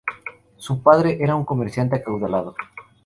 Su padre era un comerciante acaudalado.